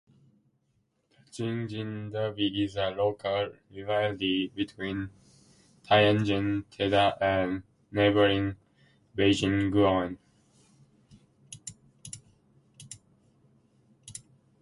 The Jing-Jin derby is a local rivalry between Tianjin Teda and neighboring Beijing Guoan.